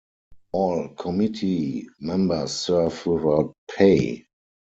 All committee members serve without pay.